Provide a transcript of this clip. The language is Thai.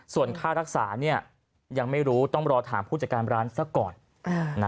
ส่วนค่ารักษายังไม่รู้ต้องรอถามผู้จัดการร้านซะก่อน